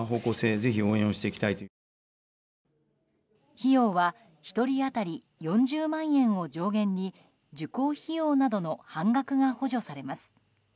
費用は１人当たり４０万円を上限に受講費用などの半額が補助されます。